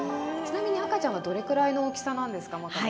ちなみに赤ちゃんはどれくらいの大きさなんですか？